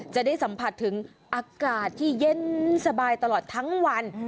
จะได้สัมผัสถึงอากาศที่เย็นสบายตลอดทั้งวัน